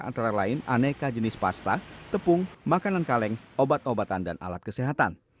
antara lain aneka jenis pasta tepung makanan kaleng obat obatan dan alat kesehatan